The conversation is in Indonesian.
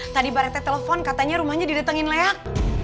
tadi pak rete telepon katanya rumahnya didatengin leyak